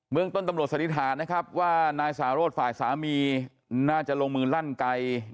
เมืองต้นตำรวจสันนิษฐานนะครับว่านายสาโรธฝ่ายสามีน่าจะลงมือลั่นไกล